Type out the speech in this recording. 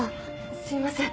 すいません